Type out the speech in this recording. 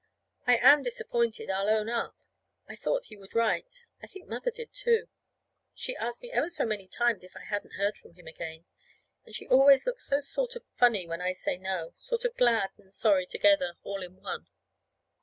I am disappointed, I'll own up. I thought he would write. I think Mother did, too. She's asked me ever so many times if I hadn't heard from him again. And she always looks so sort of funny when I say no sort of glad and sorry together, all in one.